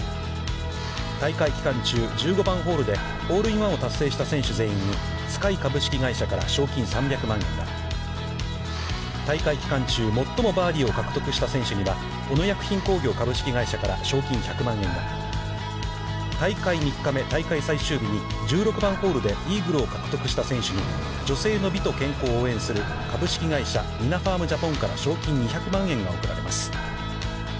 大会期間中１５番ホールで、ホールインワンを達成した選手全員に、Ｓｋｙ株式会社から賞金３００万円が、大会期間中、最もバーディーを獲得した選手には小野薬品工業株式会社から賞金１００万円が、大会３日目、大会最終日に１６番ホールでイーグルを獲得した選手に、女性の美と健康を応援する株式会社ニナファームジャポンから、賞金２００万円が贈られます。